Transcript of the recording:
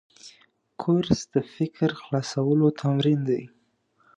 کورس د فکر خلاصولو تمرین دی.